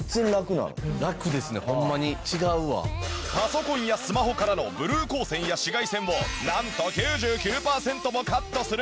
パソコンやスマホからのブルー光線や紫外線をなんと９９パーセントもカットする注目のサングラス。